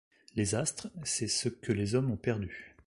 Les astres, c'est ce que les hommes ont perdu.